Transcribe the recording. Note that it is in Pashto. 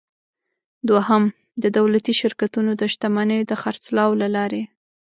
دوهم: د دولتي شرکتونو د شتمنیو د خرڅلاو له لارې.